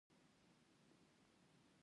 هر څه په خپل خد کي خوند کوي